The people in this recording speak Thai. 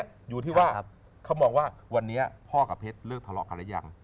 อยู่ที่ว่าเขามองว่าวันนี้พ่อกับเพชรเลิกทะเลาะกันหรือยัง